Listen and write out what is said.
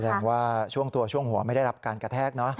แสดงว่าช่วงตัวช่วงหัวไม่ได้รับการกระแทกเนอะ